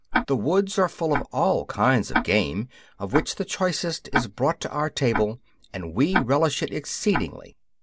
The woods are full of all kinds of game, of which the choicest is brought to our table, and we relish it exceedingly.